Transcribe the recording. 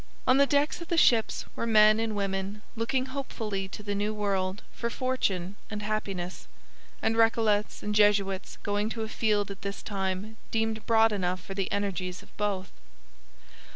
On the decks of the ships were men and women looking hopefully to the New World for fortune and happiness, and Recollets and Jesuits going to a field at this time deemed broad enough for the energies of both.